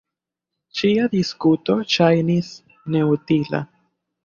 Ĉia diskuto ŝajnis neutila.